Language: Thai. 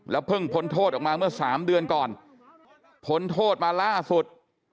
เพิ่งพ้นโทษออกมาเมื่อ๓เดือนก่อนพ้นโทษมาล่าสุด